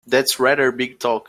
That's rather big talk!